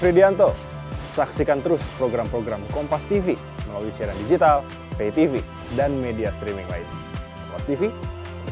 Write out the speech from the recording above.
tidak ada ancaman di pecahkan di perhentikan atau di imutasi ya